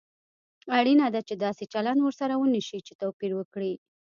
اړینه ده چې داسې چلند ورسره ونشي چې توپير وکړي.